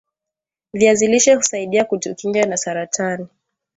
viazi lishe husaidia kutukinga na saratani